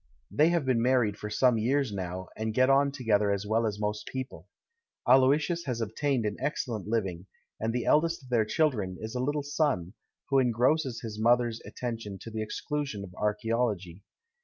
They have been married for some years now, and get on together as well as most people. Aloysius has obtained an excellent hving, and the eldest of their children is a little son, who en grosses his mother's attention to the exclusion of archaeology.